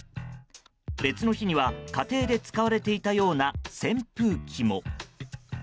別の日には、家庭で使われていたような扇風機も。